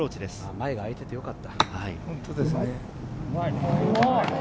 前があいててよかった。